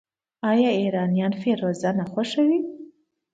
آیا ایرانیان فیروزه نه خوښوي؟